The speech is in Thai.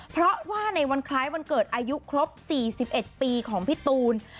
เพราะว่าในวันคล้ายวันเกิดอายุครบ๔๑ปีของพี่ตูน